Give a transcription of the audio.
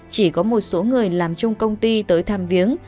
chỉ có một số người làm chung công ty tới tham viếng